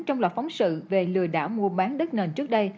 trong loạt phóng sự về lừa đảo mua bán đất nền trước đây